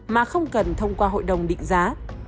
mà không cần thông qua hội đồng định giá